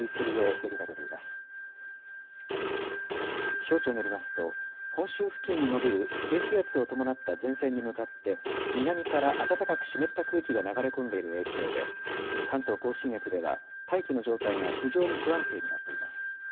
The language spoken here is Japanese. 気象庁によりますと、本州付近に延びる低気圧を伴った前線に向かって、南から暖かく湿った空気が流れ込んでいる影響で、関東甲信越では、大気の状態が非常に不安定になっています。